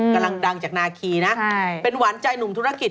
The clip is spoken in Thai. กำลังดังจากนาคีนะเป็นหวานใจหนุ่มธุรกิจ